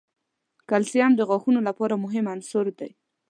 کلسیم د غاښونو لپاره مهم عنصر دی.